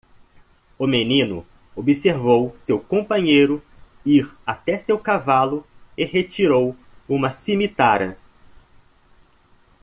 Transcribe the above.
O menino observou seu companheiro ir até seu cavalo e retirou uma cimitarra.